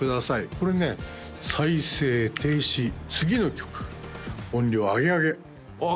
これね再生停止次の曲音量上げ上げあっ